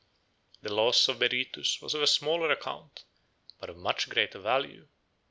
The loss of Berytus 86 was of smaller account, but of much greater value.